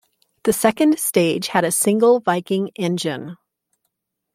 The second stage had a single Viking engine.